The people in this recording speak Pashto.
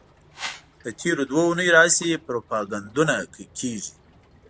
له تېرو دوو اونیو راهیسې پروپاګندونه کېږي.